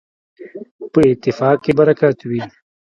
په اتفاق کي برکت وي.